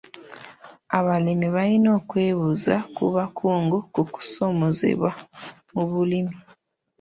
Abalimi balina okwebuuza ku bakugu ku kusoomoozebwa mu bulimi.